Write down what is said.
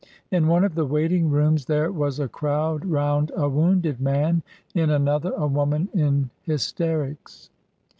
In one of the waiting rooms there was a crowd round a wounded man, in another a woman in hysterics.